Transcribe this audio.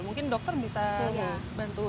mungkin dokter bisa bantu